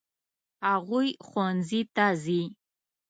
هغوی ښوونځي ته ځي.